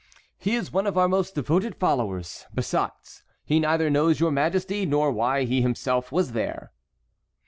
"He is one of our most devoted followers. Besides, he neither knows your majesty nor why he himself was there."